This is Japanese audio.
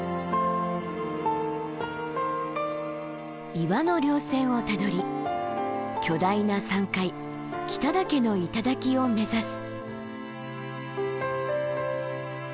岩の稜線をたどり巨大な山塊北岳の頂を目指す。